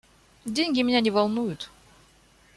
Деньги меня не волнуют.